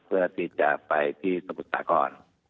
เพื่อที่จะไปที่สมุทรสาคร